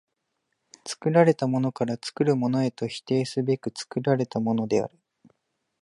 作られたものから作るものへと否定すべく作られたものである。